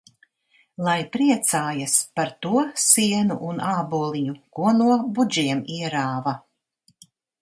Lai priecājas par to sienu un āboliņu, ko no budžiem ierāva!